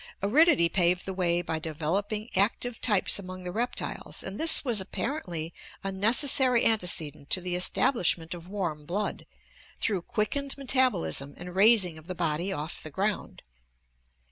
Aridity paved the way by developing active types among the reptiles, and this was apparently a necessary antecedent to the establishment of warm blood, through quickened metabolism and raising of the body off the ground.